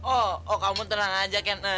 oh kamu tenang aja ken